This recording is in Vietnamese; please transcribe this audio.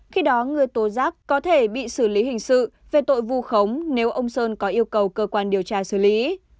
khi đó người tố rác có thể bị xử lý hình sự về tội vu khống nếu ông sơn có yêu cầu cơ quan điều tra xử lý